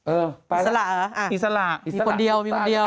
เออไปแล้วอิสระเหรออ่ะอิสระมีคนเดียว